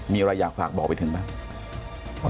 มีอะไรอยากฝากบอกไปถึงไหม